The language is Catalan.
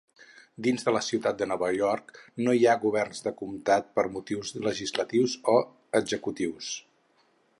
Dins de la ciutat de Nova York no hi ha governs de comtat per motius legislatius o executius.